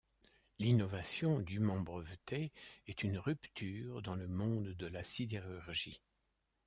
L'innovation, dûement brévetée, est une rupture dans le monde de la sidérurgie.